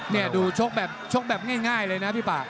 เนี่ยดูชกแบบง่ายเลยนะพี่ป่า